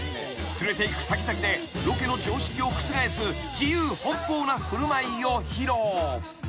［連れて行く先々でロケの常識を覆す自由奔放な振る舞いを披露］